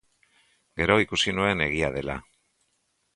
Gero ikusi nuen egia dela.